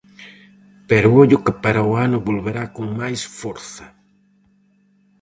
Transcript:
Pero ollo que para o ano volverá con máis forza.